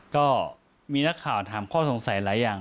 ก็มีนักข่าวถามข้อสงสัยหลายอย่าง